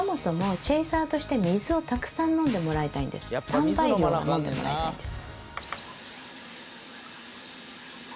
３倍量は飲んでもらいたいんです。